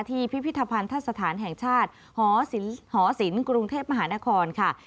ที่พิพิธรรพันธ์ทัศนฐานแห่งชาติหสินกรุงเทพมหานครค่ะ